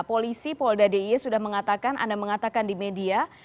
polisi polda d i e sudah mengatakan anda mengatakan di media